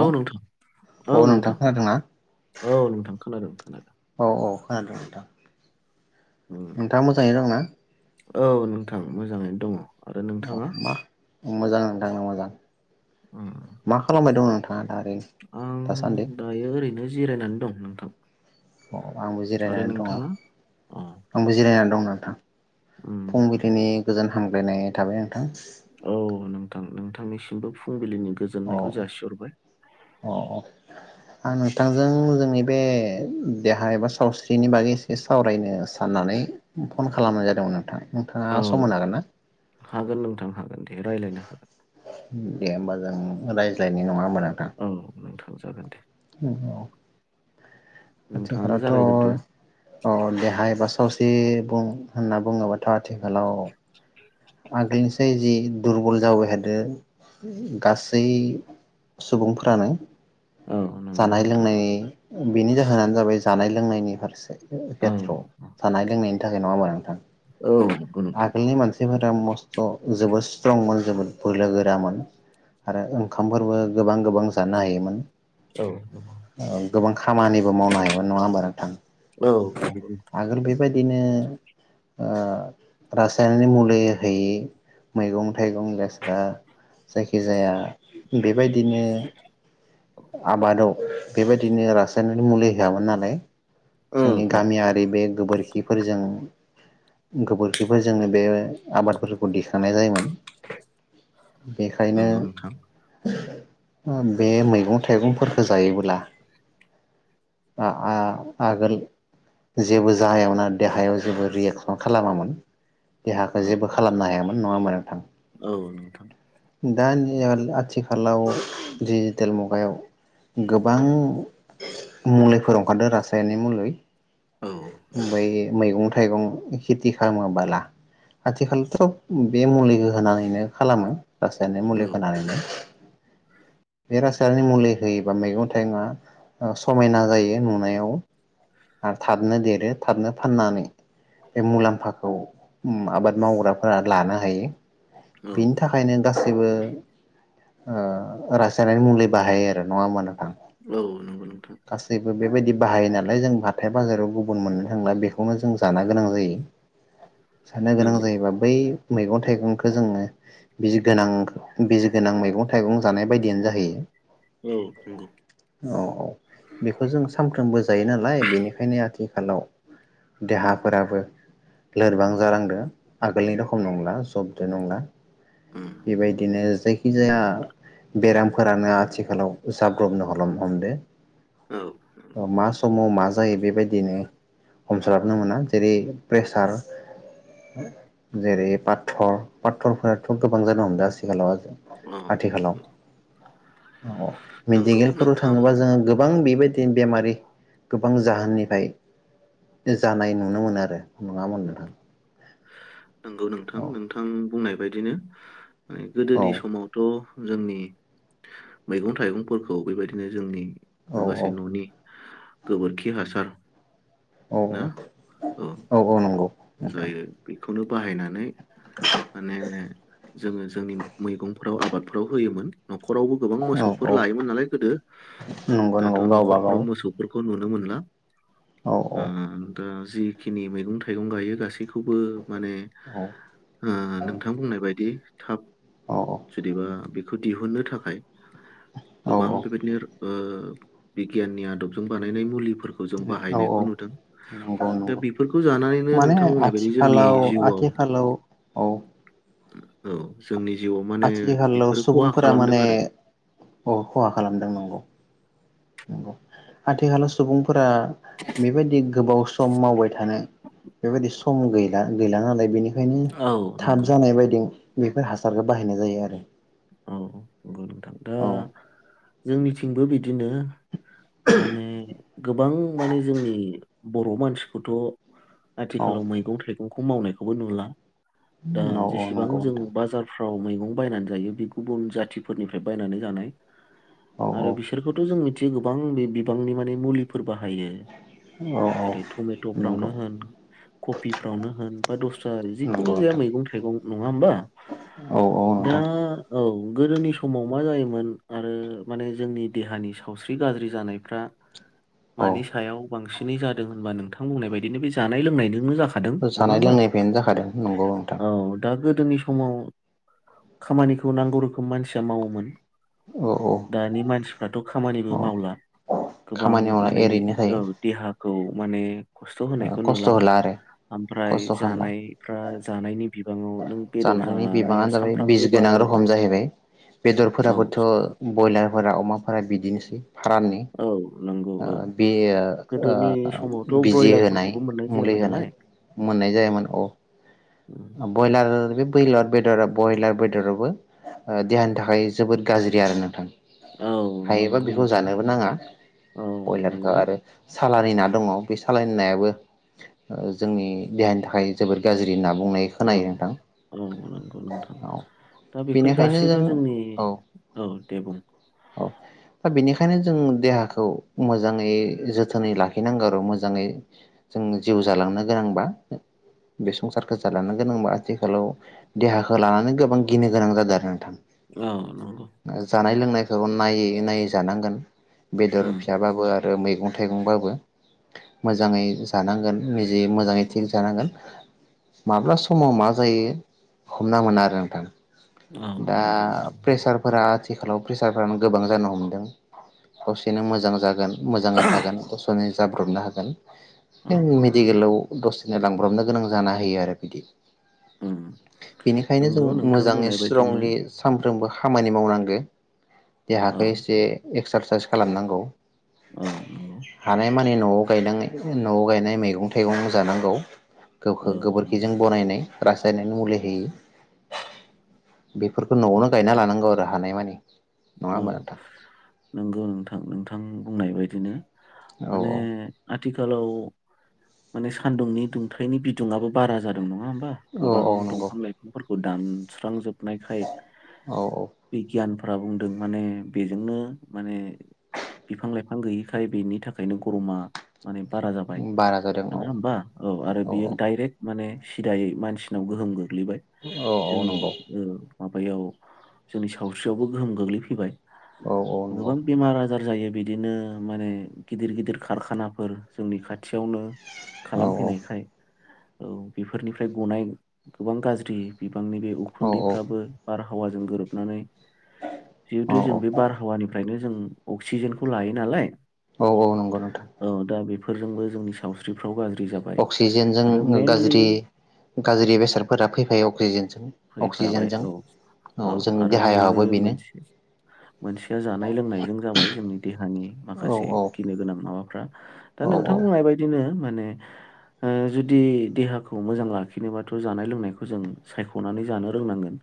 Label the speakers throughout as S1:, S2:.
S1: औ नोंथां औ नोंथां
S2: खोनादोंना औ
S1: औ नोंथां खोनादों खोनादों।
S2: औ खोनादों नोंथां।
S1: उम
S2: नोंथाङा मोजाङै दंना?
S1: औ नोंथां मोजाङैनो दङ। आरो नोंथाङा
S2: मा मोजां नोंथा मोजां
S1: उम
S2: मा खालामबाय दं नों
S1: आं दायो ओरैनो जिरायनानै दं नोंथां।
S2: अक्षआंबो
S1: आरो
S2: जिरायनानै दङ
S1: नोंथाङा अ
S2: आंबो जिरायनानै दं नोंथां
S1: उम उम।
S2: फुंबिलिनि गोजोन हाम हामलायनाय थाबाय नोंथां।
S1: औ नोंथां नोंथांनिसिमबो फुंबिलिनि
S2: औ
S1: गोजोननायखौ जासिहरबाय।
S2: थांजों जोंनि बे देहा एबा सावस्रिनि बागै एसे सावरायनो साननानै फन खालामनाय जादोंमोन नोंथां। नोंथाङा
S1: औ
S2: सम होनो हागोन ना?
S1: ए रायलायनो हागोन।
S2: दे होमबा जों रायज्लायनाय नङा होम्बा नोंथां
S1: औ नोंथां जागोन दे
S2: उम औ।
S1: नोंथाङानो
S2: आथिखालावथ'
S1: जागायग्रोदो
S2: अ देहा एबा सावस्रि 'ए बुं होनना बुङोबाथ' आथिखालाव आगोलनिसाय जि दुरबल जाबोवायथादो गासै सुबुंफ्रानो।
S1: औ नंगौ
S2: जानाय
S1: नोंथां
S2: लोंनाय बेनि जाहोनानो जाबाय जानाय लोंनायनि फारसे।
S1: औ
S2: खेथ्र' जानाय लोंनायनि थाखाय नङा होमब्ला नोंथां।
S1: औ नंगौ नोंथां
S2: आगोलनि मानसिफोरा मस्थ' जोबोद स्ट्रंमोन। जोबोद बोलो गोरामोन आरो ओंखामफोरबो गोबां गोबां जानो हायोमोन।
S1: औ
S2: गोबां खामानिबो मावनो हायोमोन नङा हबा नोंथां
S1: औ नंगौ नोंथां।
S2: आगोल बे। बेबायदिनो रासायनारि मुलि होयि मैगं थाइगं गेस्रा जायखिजाया। बेबायदिनो। आबादाव बेबायदिनो रासायनारि मुलि होआामोन नालाय।
S1: औ
S2: जोंनि
S1: औ
S2: गामियारि बे गोबोरखि। खिफोरजों गोबोरखिफोरजोंनो बे आबादफोरखौ दिखांनाय जायोमोन। बेखायनो।
S1: नंगौ नोंथां
S2: बे मैगं। मगं थाइगंफोरखौ जायोब्ला आगोल जेबो जाहायावना देहायाव जेबो रियेकसन खालामामोन [unintelligible] देहाखौ
S1: औ
S2: जेबो
S1: नोंथां
S2: खालामनो हायामोन नङा होमब्ला नोंथां।। दानिया आथिखालाव डिजिटेल मुगायाव। गोबां मुलिफोर ओंखारदों रासायनारि मुलि।
S1: औ नंगौ
S2: ओफ्राय मैगं। थाइगं खेथि खालामोबोला आथिखालावथ' बे मुलि होनानैनो खालामो। रासायनारिक
S1: औ
S2: मुलि होनानैनो। बेे रासायनारिक मुलि। होयोबा मैगं थाइगंआ समायना जायो नुनायाव आरो थाबनो देरो थाबनो फाननानै बे मुलाम्फाखौ आबाद मावग्राफोरा लानो हायो।
S1: औ
S2: बिनि थाखायनो। गासैबो रासायनारि मुलि बाहायो आरो नङा होमब्ला।
S1: औ नंगौ नोंथां।।
S2: बेबायदि बाहायो नालाय जों हाथाय बाजाराव गुबुन मोननो थांला बेखौनो जों जानो गोनां जायो। साननो गोनां
S1: नंगौ
S2: जायोबा बै। मैगं थाइगं।। जोङो बिजि गोनां बिजि गोनां मैगं थाइगं जानाय बायदियनो जाहैयो।
S1: औ नंगौ।
S2: औ औ बेखौ जों सानफ्रोमबो जायो नालाय बेनिखायनो आथिखालाव देहाफोराबो लोरबां जालांदों आगोलनि रोखोम नंला जब। जे नंला।
S1: उम
S2: बेबायदिनो। जायखिजाया बेरामफोरानो आथिखालाव जाब्रबनो ह हमदों।
S1: औ
S2: अ मा समाव मा। जायो बेबायदिनो हमस्लाबनो मोना जेरै प्रेसार जेरै पाथर। पााथरफोराथ' गोबां जानो हमदों आथिखालाव।
S1: उम।
S2: आथिखालाव औ मेडिकेलफोराव थाङोबा जोङो गोबां बेबाय टिम बेमारि गोबां जाहोननिफाय जानाय नुनो मोनो आरो नङामोन नोंथां,
S1: नंगौ नोंथां
S2: औ
S1: नोंथां बुंनाय बेदिनो
S2: औ
S1: गोदोनि समावथ' जोंनि मैगं थाइगंफोरखौ बेबायदिनो जोंनि,
S2: औ
S1: मागासे न'नि गोबोरखि हासार ना
S2: औ
S1: औ
S2: औ नंगौ नोंथां
S1: जायो खौनो बाहायनानै माने जोङो जोंनि मैगं न'खराव आबादफोराव होयोमोन नख न'खरावबो गोबां
S2: औ
S1: मोसौफोर
S2: औ
S1: लायोमोन नालाय गोदो
S2: नंगौ
S1: दाथ'
S2: नंगौ गावबा गाव
S1: न'खरफोराव मोसौफोरखौ नु नुनो मोनला
S2: औ
S1: ओ ओ दा जिखिनि मैगं थाइगं गायो गासैखौ बो माने
S2: औ
S1: ओ नोंथां बुंनाय बायदि थाब
S2: औ
S1: जेदिबा बेखो दिहुननो थाखाय गोबां
S2: औ
S1: बेबायदिनो ओ बिगियाननि आदबजों बानायनाय मुलिफो फोरखौ जों
S2: औ औ
S1: बाहायनायखौ नुदों
S2: नंगौ
S1: दा बेफोरखौ जानानैनो नोंथां बुंनाय जोंनि
S2: फालाव
S1: जिउआव
S2: आथिखालाव, औ
S1: औ जोंनि जिउआव माने
S2: आथिखालाव
S1: बेफोरो खहा
S2: सुबुंफोरा
S1: खालामदों
S2: माने
S1: आरो
S2: औ खहा खालामदों नंगौ नंगौ आथिखालाव सुबुंफोरा बेबायदि गोबाव सम मावबाय थानाय बेबायदि सम गैला गैला नालाय बेनि ओंखायनो
S1: औ
S2: थाब
S1: नंगौ
S2: जानाय बायदिं बेफोर हासारखौ बाहायनाय जायो आरो
S1: औ नंगौ नोंथां दा
S2: औ
S1: जोंनिथिंबो बिदिनो माने गोबां माने जोंनि बर' मानसिखौथ'
S2: औ
S1: आथिखालाव मैगं थाइगं दंखौ मावनायखौबो नुला दा
S2: औ औ
S1: जेसेबां
S2: नंगौ
S1: जों
S2: नोंथां
S1: बाजारफ्राव मै गं बायनानै जायो बे गुबुन जाथिफोरनिफ्राय बायनानै जानाय
S2: औ
S1: आरो
S2: औ
S1: बिसोरखौथ' जों मिथियो गोबां बे बिबांनि माने मुलिफोर बाहायो
S2: औ औ
S1: जेरै
S2: नंगौ
S1: टमेट'फ्रावनो होन कबिफ्रावनो होन बा दस्रा जिखुनु
S2: नंगौ
S1: जाया
S2: नोंथां
S1: मैगं थाइगं नङा होमबा
S2: औ औ
S1: दा
S2: नोंथां
S1: औ गोदोनि समाव मा जायोमोन आरो माने जोंनि देहानि सावस्रि गाज्रि जानायफ्रा
S2: औ
S1: मानि सायाव बांसिनै जादों होनबा नोंथां बुंनाय बायदिनो बे जानाय लोंनाय जोंनो जा
S2: जानाय लोंनायफ्रायनो जाखादों नंगौ नोंथां
S1: औ दा गोदोनि समाव खामानि खौ नांगौ रोखोम मानसिया मावोमोन
S2: औ औ
S1: दानि मानसिफ्राथ' खामानिबो
S2: औ
S1: मावला गोबां
S2: खामानि मावना
S1: माने
S2: ओरैनो
S1: ओं
S2: थायो
S1: देहा खौ माने खस्थ' होनायखौ
S2: खस्थ'
S1: नुला
S2: होला आरो
S1: ओमफ्राय
S2: खस्थ' खालामला
S1: जानायफ्रा जानायनि बिबाङाव नों बेदर
S2: जानायनि
S1: जानाया
S2: बिबाङानो जाबाय बि
S1: सानफ्रामबो
S2: गोनां
S1: बारा
S2: र खम
S1: जाबाय
S2: जाहैबाय
S1: औ
S2: बेदरफोराबोथ' ब्रयलारफोरा अमाफोरा बिदिनोसै फाराननि
S1: औ नंगौ
S2: ओ
S1: औ
S2: बे ओ ओ
S1: गोदोनि समावथ'
S2: बिजि होनाय
S1: ब्रयलारफोरखौबो मोननाय
S2: मुलि
S1: जायामोन
S2: होनाय
S1: नालाय
S2: मोननाय जायामोन औ
S1: उम।
S2: अ ब्रयलार आरो बे बयलार बेदरा ब्रयलार बेदराबो ओ देहानि थाखाय जोबोद गाज्रि आरो नोंथां
S1: औ
S2: हायोबा
S1: नंगौ
S2: बेखौ
S1: नोंथां
S2: जानोबो नाङा
S1: औ
S2: बयलारखौ
S1: नंगौ
S2: आरो सालारि ना दङ बे सालारि नायाबो जोंनि देहानि थाखाय जोबोर गाज्रि ना बुंनाय
S1: औ
S2: खोनायो नोंथां
S1: औ नंगौ नोंथां
S2: औ
S1: दा बेफोर
S2: बेनिखायनो जों
S1: गासैबो जोंनि
S2: औ
S1: औ दे बुं
S2: औ दा बेनि खायनो जों देहाखौ मोजाङै जोथोनै लाखिनांगौ आरो मोजाङै जों जिउ जालांनो गोनांबा बे संसारखौ जालांनो गोनांबा आथिखालाव देहाखौ लानानै गोबां गिनो गोनां जादों आरो नोंथां
S1: औ नंगौ
S2: लोंनाय खौ नायै नायै जानांगोन बेदर
S1: उम
S2: फिसाबाबो आर रो मैगं थाइगंबाबो मोजाङै जानांगोन निजे मोजाङै थिग जानांगोन माब्ला समाव मा जायो हमना मोना आरो नोंथां
S1: औ
S2: दा
S1: नंगौ नोंथां
S2: प्रेसारफोरा आथ थिखालाव प्रेसारफ्रानो गोबां जानो हमदों दसेनो मोजां जागोन
S1: औ
S2: मोजाङै थागोन गसाइनि जाब्रबनो हागोन ओम
S1: नंगौ
S2: मेडिकेलाव दसे लांब्रबनो गोनां जाना होयो आरो बिदि
S1: उम
S2: बेनिखायनो जों
S1: नंगौ नोंथां
S2: मोजाङै
S1: बुंनाय बायदिनो
S2: स्ट्रंलि सामफ्रोमबो खामानि मावनांदो
S1: औ
S2: देहाखो एसे एक्सारसाइस खालामनांगौ
S1: औ नंगौ
S2: हानाय मानि नआव गायनांयै नआव गायनाय मैगं थाइगं जानांगौ गौ
S1: औ
S2: खो
S1: नंगौ
S2: गोबोरखिजों बरायनाय रासायनायनि मुलि होयो बेफोरखौ नआवनो गायना लानांगौ आरो हानाय मानि
S1: औ नंगौ नोंथां नोंथां बुंनाय बाय बिदिनो
S2: औ
S1: माने
S2: औ
S1: आथि खालाव माने सान्दुंनि दुंथाइनि बिदुङआबो बारा जादों नङा होन ना
S2: औ
S1: गोबां
S2: औ नंगौ
S1: दफां लाइफांफोरखौ दानस्रांजोब नायखाय
S2: औ औ
S1: बिगियान [unintelligible] माने बेजोंनो माने बिफां लाइफां गैयिखाय बेनि थाखायनो गरमा माने बारा जाबाय
S2: बारा जादों
S1: नोङा
S2: औ
S1: होमबा औ आरो बियो दाइरेक्ट माने सिदायै मानसिनाव गोहोमगोन गोलैबाय
S2: औ औ
S1: जोंनि
S2: नंगौ
S1: ओ माबायाव जोंनि सावस्रियावबो गोहोम गोग्लैफैबाय
S2: औ औ नंगौ
S1: बाजार जायो बिदिनो माने गिदिर गिदिर कारखानाफोर जोंनि खाथियावनो
S2: औ
S1: खालामफैनायखाय औ बेफोरनिफ्राय गनाय गोबां गाज्रि गोबांनि बे
S2: औ
S1: उखुन्दैफ्राबो बार हावाजों गोरोबनानै जिहेथु
S2: औ
S1: जों बे
S2: औ
S1: बारहावानिफ्रायनो जों अक्सिजेनखौ लायो नालाय
S2: औ औ नंगौ नोंथां।
S1: फोरजोंबो जोंनि सावस्रिफ्राव गाज्रि जाबाय आरो
S2: अक्सिजेनजों
S1: मेनलि
S2: गाज्रि गाज्रि बेसादफोरा फैफायो अक्सिजेनजों
S1: फैफाबाय
S2: अक्सिजेनजों
S1: औ औ
S2: जोंनि
S1: आरो मेनलि
S2: देहायाबो बेनो
S1: मोनसे मोनसेया जानाय लोंनायजों जाबाय जोंनि देहानि
S2: औ
S1: माखासे गिनो गोनां माबाफ्रा दा
S2: औ
S1: नोंथां
S2: औ
S1: बुंनाय बायदिनो जुदि देहाखौ मोजां लाखिनोबाथ' जानाय लोंनायखौ जों सायख' सनानै जानो रोंनांगोन।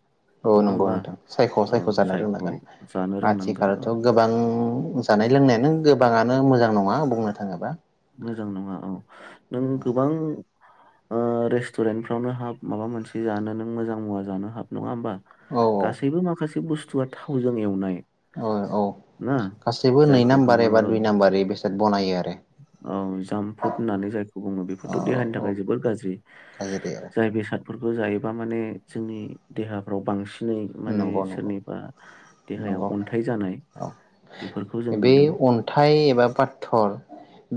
S2: औ नंगौ नोंथां सायख'
S1: औ
S2: सायख' जानो रोंनांगोन
S1: जानो रोंनांगोन औ
S2: आथिखालावथ' गोबां जानाय लोंनायानो गोबाङानो मोजां नङा बुंनो थाङोब्ला।
S1: मोजां नङा औ नों गोबां रेस्टुरेन्ट फावनो हाब माबा मोनसे जानो नों मोजां मुवा जानो हाब नङा होमबा
S2: औ
S1: गासैबो माखासे बुस्थु बुसथुवआ थावजों एवनाय
S2: औ औ
S1: ना
S2: गासैबो नै
S1: जायखौ
S2: नाम्बार
S1: बुङो
S2: एबा
S1: औ
S2: दुइ नाम्बार बेसे
S1: औ जाम्पफुड होननानै जायखौ बुङो
S2: औ
S1: बेफोरथ' देहानि
S2: औ
S1: थाखाय जोबोर गाज्रि
S2: गाज्रि आरो
S1: जाय बेसादफोरखौ बे जायोबा माने जोंनि देहाफ्राव बांसिन
S2: नंगौ नंगौ
S1: देहायाव
S2: नंगौ
S1: अन्थाइ जानाय
S2: औ
S1: बेफोरखौ जों
S2: बे
S1: नुदों
S2: अन्थाइ एबा पातर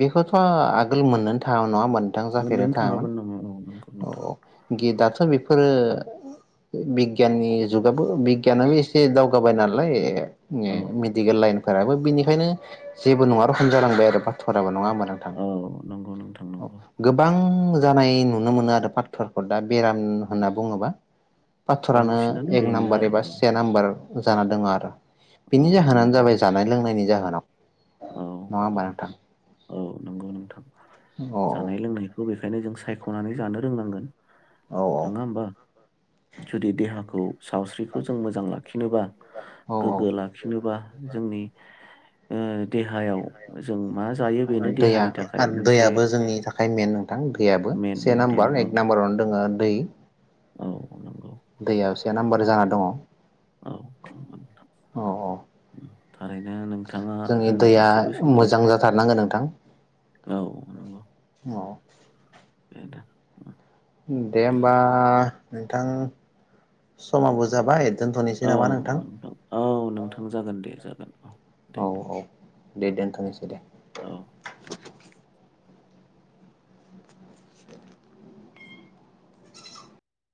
S2: बेखौथ' आगोल मोननोनो थाङा नङा। नोंथां
S1: मोननो
S2: जाफेरनो
S1: थाङामोन नामा औ नंगौ। नोंथां
S2: औ गे दाथ' बेफोरो ओ बिगियाननि जुगाबो बिगियानानो एसे दावगाबाय नालाय ए
S1: औ
S2: मेडिकेल लाइन फोराबो बिनिखायनो जेबो नङा रखम जालांबाय आरो बाथराबो नङा नोंथां
S1: औ नंगौ नोंथां नंगौ
S2: गोबां जानाय नुनो मोनो आरो फाथरखौ दा बेराम होनना बुङोबा। फाथरानो
S1: बांसिनानो
S2: एक
S1: बेनो
S2: नाम्बार
S1: आरो
S2: एबा से नाम्बार जाना दङ आर'
S1: औ
S2: बिनि जाहोनानो
S1: नंगौ
S2: जाबाय
S1: नोंथां
S2: जानाय लोंनायनि जाहोनाव।
S1: औ
S2: नंङा
S1: औ
S2: होमबा नोंथां।
S1: औ नंगौ नोंथां।
S2: औ औ
S1: जानाय लोंनायखौ बेफोर। बेखायनो जों सायख'नानै जानो रोंनांगोन।
S2: औ
S1: नङा होमबा? जुदि देहाखौ सावस्रिखौ जों मोजां लाखिनोबा
S2: औ
S1: गोग्गो लाखिनोबा जोंनि देहायाव जों मा जा
S2: दैया दैयाबो जोंनि थाखाय मेन नोंथां दैयाबो
S1: मेन
S2: से
S1: नोंथां
S2: नाम्बार
S1: औ
S2: एक नाम्बारावनो दोङो दै।
S1: औ नंगौ।
S2: दैया से नाम्बारि जाना दङ।
S1: औ नंगौ नोंथां
S2: अ अ
S1: उम, थारैनो नोंथाङा
S2: जोंनि
S1: बुंनाय
S2: दैया
S1: गासैबो सैथो
S2: मोजां जाथारनांगोन नोंथां।
S1: औ नंगौ।
S2: अ
S1: बे दा उम्म
S2: दे होमबा नोंथां समाबो जाबाय। दोनथ'नोसै
S1: औ
S2: नामा
S1: नोंथां औ नोंथां जागोन दे जागोन औ दे
S2: दे दोनथ'नोसै दे
S1: औ दे।